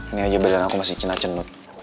ini aja badan aku masih cina cenut